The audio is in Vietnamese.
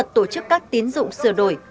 tổ chức các tín dụng sửa đổi